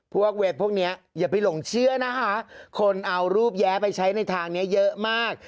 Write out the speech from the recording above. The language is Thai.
เว็บพวกนี้อย่าไปหลงเชื่อนะคะคนเอารูปแย้ไปใช้ในทางนี้เยอะมาก